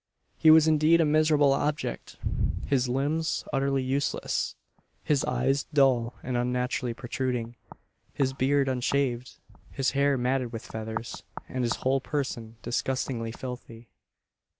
He was indeed a miserable object his limbs utterly useless his eyes dull and unnaturally protruding his beard unshaved his hair matted with feathers and his whole person disgustingly filthy.